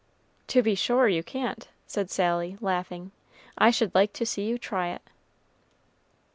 "To be sure you can't," said Sally, laughing. "I should like to see you try it."